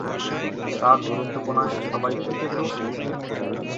তার দুরন্তপনায় সবাই কি পেত?